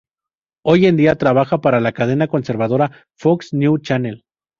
Hoy en día, trabaja para la cadena conservadora Fox News Channel.